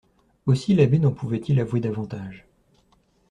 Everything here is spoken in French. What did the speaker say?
Aussi l'abbé n'en pouvait-il avouer davantage.